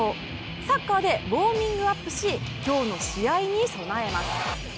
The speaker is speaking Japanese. サッカーでウォーミングアップし今日の試合に備えます。